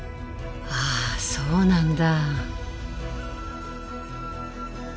ああそうなんだ。